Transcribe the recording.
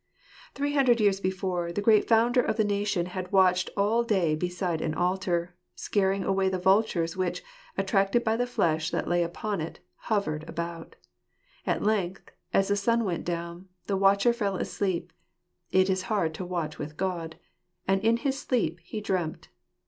Three hundred years before, the great founder of the nation had watched all day beside an altar, scaring away the vultures which, attracted by the flesh that lay upon it, hovered around. At length, as the sun went down, the watcher fell asleep — it is hard to watch with God — and in his sleep he dreamt.